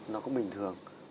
nó cũng bình thường